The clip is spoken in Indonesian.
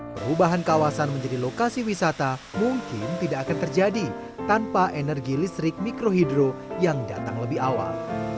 perubahan kawasan menjadi lokasi wisata mungkin tidak akan terjadi tanpa energi listrik mikrohidro yang datang lebih awal